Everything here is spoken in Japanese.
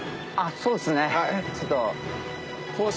そうですね。